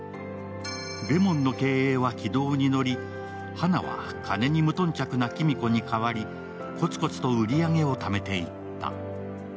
れもんの経営は軌道に乗り、花は無頓着な黄美子に代わり、コツコツと売り上げをためていった。